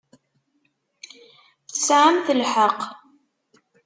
Tesɛamt lḥeqq.